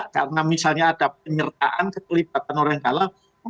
karena misalnya ada penyertaan kekelibatan orang kalang